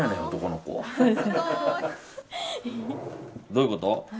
どういうこと？